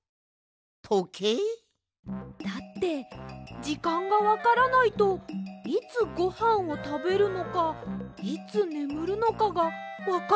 とけい？だってじかんがわからないといつごはんをたべるのかいつねむるのかがわかりません！